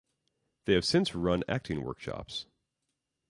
They have since run acting workshops.